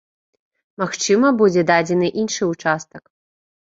Магчыма, будзе дадзены іншы ўчастак.